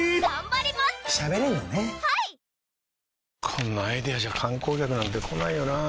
こんなアイデアじゃ観光客なんて来ないよなあ